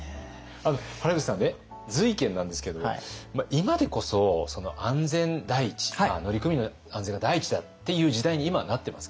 原口さんね瑞賢なんですけど今でこそ安全第一とか乗組員の安全が第一だっていう時代に今はなってます。